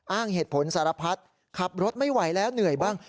อ้างเหตุผลสารพัดขับรถไม่ไหวแล้วเหนื่อยบ้าง